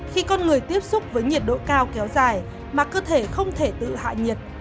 khi con người tiếp xúc với nhiệt độ cao kéo dài mà cơ thể không thể tự hạ nhiệt